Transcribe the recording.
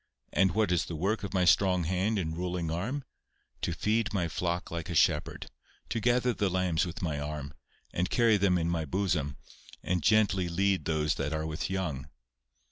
And what is the work of my strong hand and ruling arm? To feed my flock like a shepherd, to gather the lambs with my arm, and carry them in my bosom, and gently lead those that are with young.